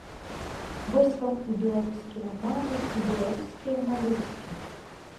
Вось вам і беларускія амары, і беларускія малюскі.